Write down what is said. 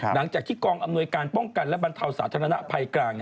หลังจากที่กองอำนวยการป้องกันและบรรเทาสาธารณภัยกลาง